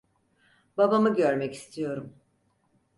Babamı görmek istiyorum.